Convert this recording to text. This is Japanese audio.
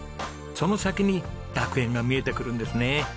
その先に楽園が見えてくるんですね。